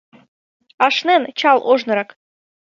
Ашнен Чал ожнырак.